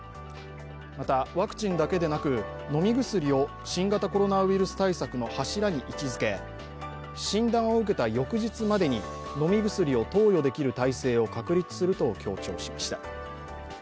また、ワクチンだけでなく飲み薬を新型コロナウイルス対策の柱に位置づけ、診断を受けた翌日までに飲み薬を投与できる体制を確立すると強調しました。